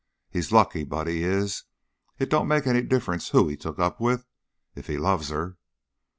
He's lucky, Buddy is. It don't make any difference who he took up with, if he loves her."